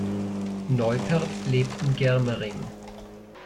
Neupert lebt in Germering.